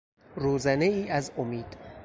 روزنهای از امید